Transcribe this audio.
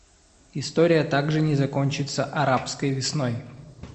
История также не закончится «арабской весной».